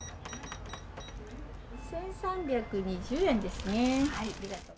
１３２０円ですね。